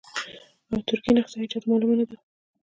او ترکي نسخه یې چاته معلومه نه ده.